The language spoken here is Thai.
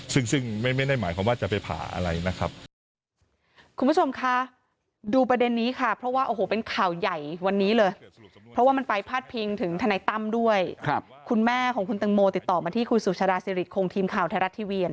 ซึ่งไม่ได้หมายความว่าจะไปผ่าอะไรนะครับ